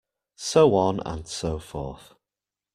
So on and so forth.